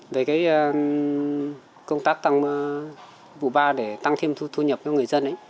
về cái công tác tăng vụ ba để tăng thêm thu nhập cho người dân